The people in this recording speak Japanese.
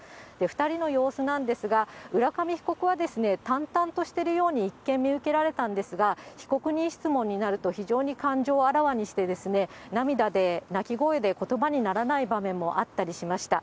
２人の様子なんですが、浦上被告は、淡々としてるように一見見受けられたんですが、被告人質問になると、非常に感情をあらわにして、涙で、泣き声でことばにならない場面もあったりしました。